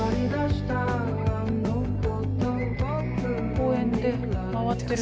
公園で回ってる。